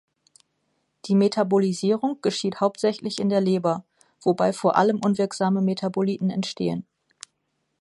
Die Metabolisierung geschieht hauptsächlich in der Leber, wobei vor allem unwirksame Metaboliten entstehen.